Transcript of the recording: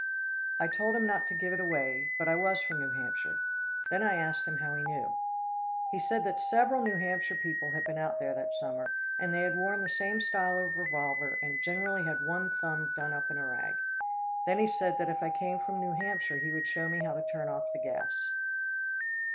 I told him not to give it away, but I was from New Hampshire. Then I asked him how he knew. He said that several New Hampshire people had been out there that summer, and they had worn the same style of revolver and generally had one thumb done up in a rag. Then he said that if I came from New Hampshire he would show me how to turn off the gas.